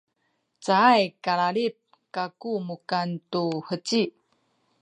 cayay kalalid kaku mukan tu heci